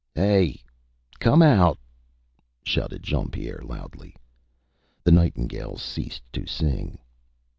ÂHey! Come out!Â shouted Jean Pierre, loudly. The nightingales ceased to sing.